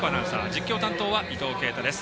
実況担当は伊藤慶太です。